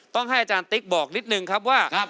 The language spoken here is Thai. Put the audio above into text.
ต้องให้อาจารย์ติ๊กบอกนิดนึงครับว่า